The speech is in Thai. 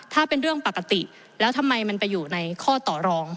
ถ้าเป็นเรื่องปกติแล้วทำไมมันไปอยู่ในข้อต่อรอง